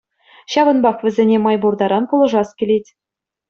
Ҫавӑнпах вӗсене май пур таран пулӑшас килет.